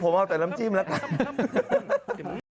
ผมเอาแต่น้ำจิ้มละก่อน